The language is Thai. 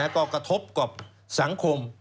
ก็กระทบกับสังคม